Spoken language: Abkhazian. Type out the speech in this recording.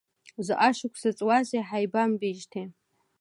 Заҟа шықәса ҵуазеи ҳаибамбеижьҭеи?